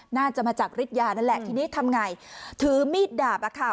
น่าจะมาจากฤทธิยานั่นแหละทีนี้ทำไงถือมีดดาบอะค่ะ